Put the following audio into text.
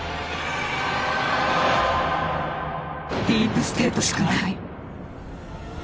「ディープステートしかない！」。